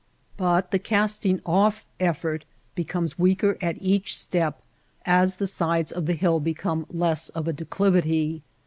But the casting off effort be comes weaker at each step as the sides of the hill become less of a declivity.